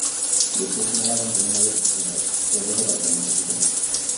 Despois sinalaban que non había profesionais, e logo apareceron os profesionais.